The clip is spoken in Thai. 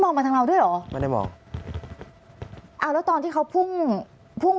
มาทางเราด้วยเหรอไม่ได้มองเอาแล้วตอนที่เขาพุ่งพุ่ง